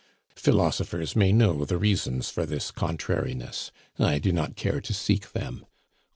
Philosophers may know the reasons for this contrariness. I do not care to seek them.